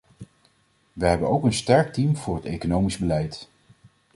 We hebben ook een sterk team voor het economisch beleid.